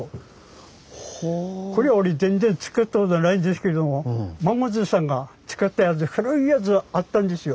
これは俺全然作ったことないんですけども孫じいさんが使ったやつ古いやつあったんですよ。